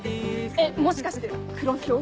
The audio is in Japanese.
えっもしかして黒ヒョウ？